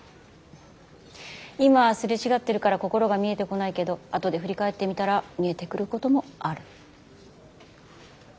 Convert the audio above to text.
今はすれ違ってるから心が見えてこないけど後で振り返ってみたら見えてくることもある。